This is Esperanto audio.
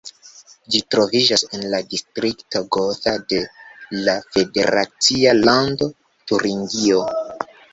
Ĝi troviĝas en la distrikto Gotha de la federacia lando Turingio.